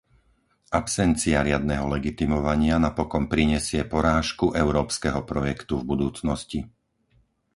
Absencia riadneho legitimovania napokon prinesie porážku európskeho projektu v budúcnosti.